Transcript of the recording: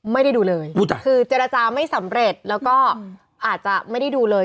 ไม่ได้ดูเลยคือเจรจาไม่สำเร็จแล้วก็อาจจะไม่ได้ดูเลย